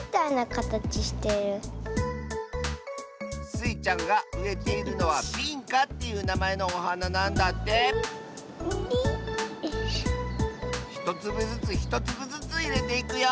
スイちゃんがうえているのは「ビンカ」っていうなまえのおはななんだってひとつぶずつひとつぶずついれていくよ。